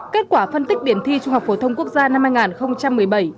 kết quả phân tích điểm thi trung học phổ thông quốc gia năm hai nghìn một mươi bảy